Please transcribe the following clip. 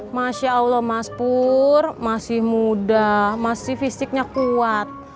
masya allah mas pur masih muda masih fisiknya kuat